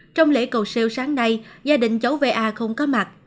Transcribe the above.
trong lễ cầu siêu sáng nay gia đình cháu va không có mặt